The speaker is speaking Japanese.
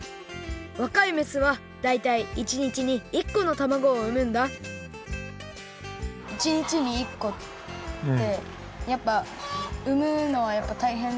わかいめすはだいたい１日に１このたまごをうむんだ１日に１こってやっぱうむのはやっぱたいへん。